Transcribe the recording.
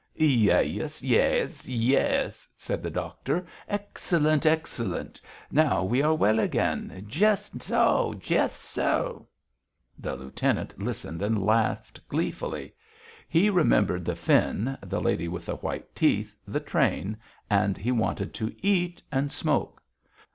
"Yies, yies, yies," said the doctor. "Excellent, excellent. Now we are well again. Jist saow. Jist saow." The lieutenant listened and laughed gleefully. He remembered the Finn, the lady with the white teeth, the train, and he wanted to eat and smoke.